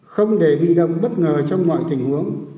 không để bị động bất ngờ trong mọi tình huống